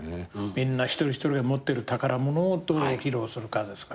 一人一人が持ってる宝物をどう披露するかですから。